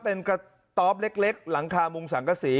เป็นกระต๊อปเล็กหลังคามุงสังกษี